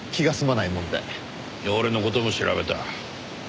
で俺の事も調べた。